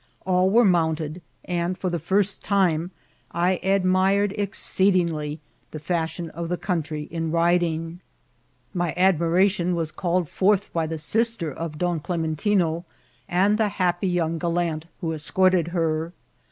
All were mounted, and, tot the first time, I admired exceedingly the fashion of the 164 INCID1HT8 OF T&ATIL. country in riding. My admiration was called forth by the sister of Don Clementino and the happy young gal lant who escorted her.